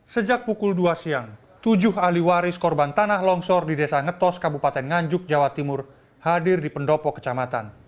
sejak pukul dua siang tujuh ahli waris korban tanah longsor di desa ngetos kabupaten nganjuk jawa timur hadir di pendopo kecamatan